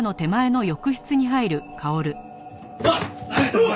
おい！